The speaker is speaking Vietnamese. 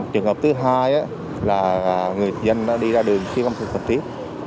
trường hợp thứ hai là người dân đã đi ra đường khi không xin phục tiết